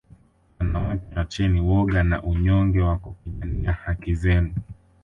wanawake acheni woga na unyonge wa kupigania haki zenu